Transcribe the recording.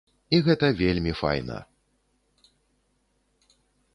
І гэта вельмі файна.